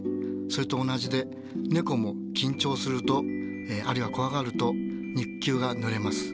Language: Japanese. それと同じでねこも緊張するとあるいは怖がると肉球がぬれます。